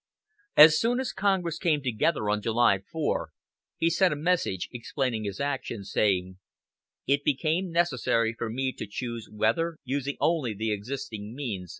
As soon as Congress came together on July 4, he sent a message explaining his action, saying: "It became necessary for me to choose whether, using only the existing means....